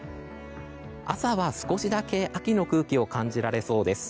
朝は少しだけ秋の空気を感じられそうです。